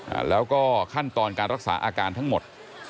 อ่าแล้วก็ขั้นตอนการรักษาอาการทั้งหมด